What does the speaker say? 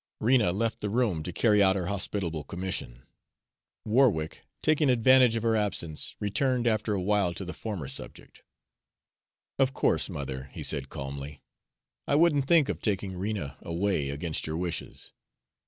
Rena left the room to carry out her hospitable commission. Warwick, taking advantage of her absence, returned after a while to the former subject. "Of course, mother," he said calmly, "I wouldn't think of taking Rena away against your wishes.